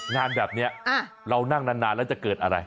งานแบบนี้เรานั่งนานแล้วจะเกิดอะไร